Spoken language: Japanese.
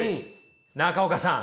中岡さん。